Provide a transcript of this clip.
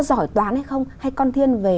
giỏi toán hay không hay con thiên về